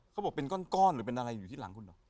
เขาบอกเป็นก้อนหรือเป็นอะไรอยู่ที่หลังคุณเหรอ